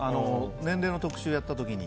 年齢の特集をやった時に。